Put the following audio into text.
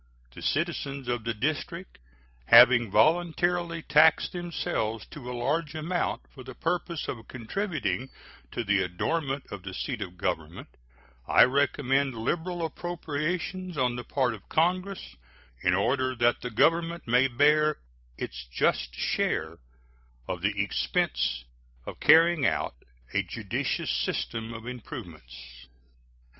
The citizens of the District having voluntarily taxed themselves to a large amount for the purpose of contributing to the adornment of the seat of Government, I recommend liberal appropriations on the part of Congress, in order that the Government may bear its just share of the expense of carrying out a judicious system of improvements.